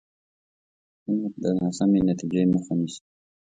ښه نیت د ناسمې نتیجې مخه نیسي.